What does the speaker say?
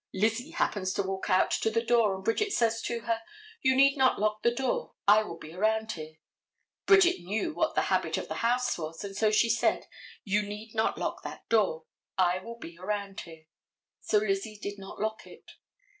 Lizzie happens to walk out to the door, and Bridget says to her, "You need not lock the door, I will be around here." Bridget knew what the habit of that house was, and so she said, "You need not lock that door, I will be around here." So Lizzie did not lock it.